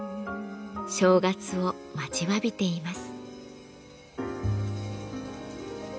正月を待ちわびています。